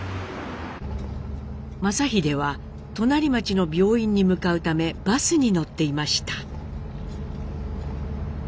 正英は隣町の病院に向かうためバスに乗っていました。